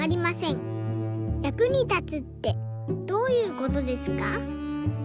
役に立つってどういうことですか？」。